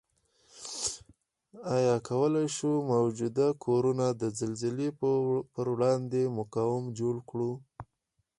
آیا کوای شو موجوده کورنه د زلزلې پروړاندې مقاوم جوړ کړو؟